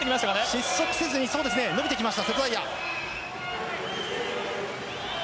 失速せずに伸びてきました。